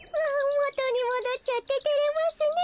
もとにもどっちゃっててれますねえ。